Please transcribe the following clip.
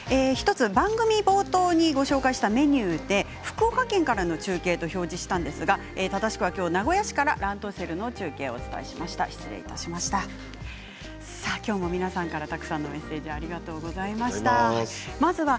１つ番組冒頭にご紹介したメニューで福岡県からの中継と表示したんですが正しくはきょうは名古屋市からランドセルの中継をしました。